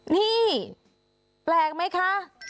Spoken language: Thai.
นี่แปลกไหมคะ